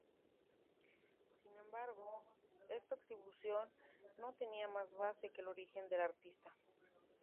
Sin embargo esta atribución no tenía más base que el origen del artista.